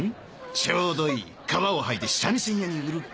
ちょうどいい皮をはいで三味線屋に売るか。